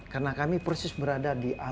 karena kami persis berasal dari kota kalimantan